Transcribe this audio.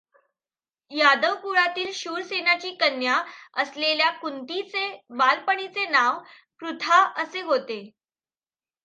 यादव कुळातील शूरसेनाची कन्या असलेल्या कुंतीचे बालपणीचे नाव पृथा असे होते.